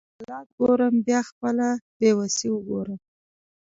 چې زه حالات ګورم بیا خپله بیوسي وګورم